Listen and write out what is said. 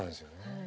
はい。